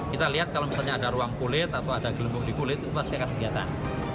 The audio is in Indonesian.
kita lihat kalau misalnya ada ruang kulit atau ada gelembung di kulit itu pasti akan kegiatan